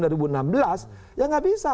ya enggak bisa